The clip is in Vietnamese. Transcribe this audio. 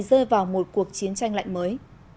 rơi vào một cuộc chiến tranh lạnh mới